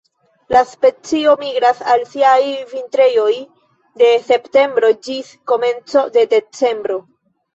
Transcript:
La specio migras al siaj vintrejoj de septembro ĝis komenco de decembro.